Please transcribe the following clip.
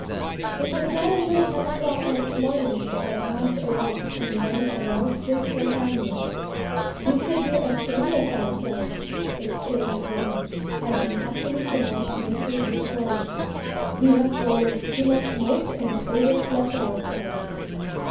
It was not until ten o'clock next morning that Hans awoke and then aroused his companions. "We should be ashamed of ourselves," exclaimed Willem, as he hastily commenced making his toilet. "We have swallowed too much smoke and overslept ourselves!"